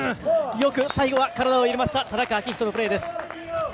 よく最後は体を入れました田中章仁のプレー。